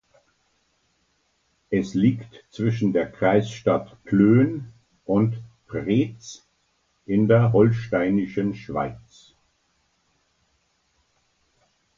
Es liegt zwischen der Kreisstadt Plön und Preetz in der Holsteinischen Schweiz.